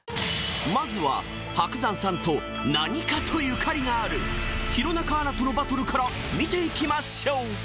まずは伯山さんと何かとゆかりがある弘中アナとのバトルから見ていきましょう